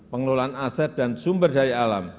pengelolaan aset dan sumber daya alam